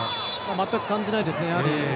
全く感じないですね。